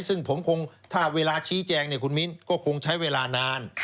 ซึ่งผมคงถ้าเวลาชี้แจงคุณมิ้นก็คงใช้เวลานาน